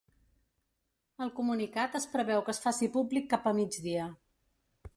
El comunicat es preveu que es faci públic cap a migdia.